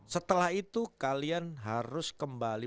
setelah itu kalian harus kembali